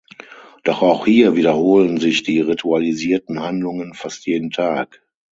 Doch auch hier wiederholen sich die ritualisierten Handlungen fast jeden Tag.